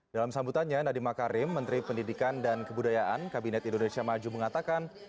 dalam sambutannya nadiem makarim menteri pendidikan dan kebudayaan kabinet indonesia maju mengatakan